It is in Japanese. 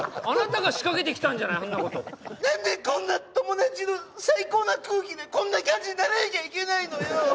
あなたが仕掛けてきたんじゃないそんなこと何でこんな友達の最高な空気でこんな感じにならなきゃいけないのよ！